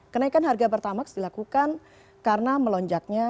kenaikan harga pertamax dilakukan karena melonjaknya